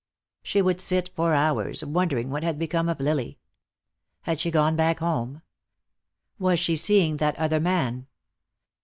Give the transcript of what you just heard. She would sit for hours, wondering what had become of Lily. Had she gone back home? Was she seeing that other man?